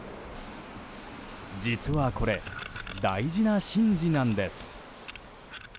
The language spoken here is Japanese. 実はこれ、大事な神事なんです。